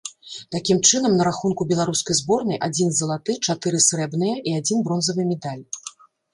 Такім чынам, на рахунку беларускай зборнай адзін залаты, чатыры срэбныя і адзін бронзавы медаль.